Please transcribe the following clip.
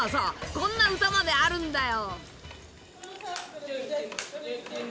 こんな歌まであるんだよ。